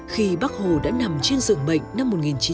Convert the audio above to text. khi bác hồ đã nằm trên rừng bệnh năm một nghìn chín trăm sáu mươi chín